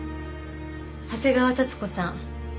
長谷川多津子さん。